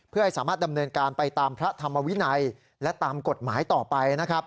เพื่อให้สามารถดำเนินการไปตามพระธรรมวินัยและตามกฎหมายต่อไปนะครับ